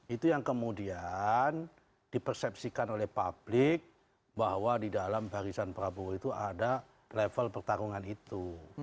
itu yang kemudian dipersepsikan oleh publik bahwa di dalam barisan prabowo itu ada level pertarungan itu